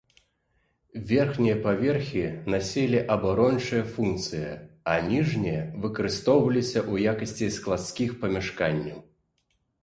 Верхнія паверхі насілі абарончыя функцыі а ніжнія выкарыстоўваліся ў якасці складскіх памяшканняў.